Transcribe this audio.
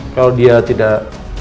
kalau dia tidak